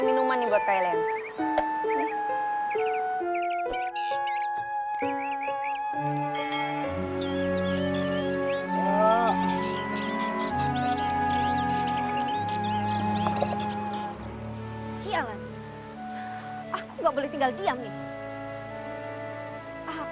terima kasih gatesih mengobati taelsang coba maaf